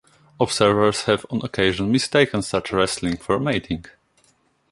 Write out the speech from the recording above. Observers have on occasion mistaken such wrestling for mating.